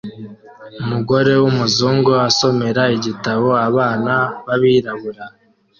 Umugore w'umuzungu asomera igitabo abana b'abirabura